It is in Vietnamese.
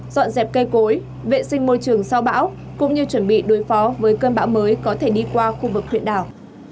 dọn dẹp cây cối vệ sinh môi trường sau bão cũng như chuẩn bị đối phó với cơn bão mới có thể đi qua khu vực huyện đảo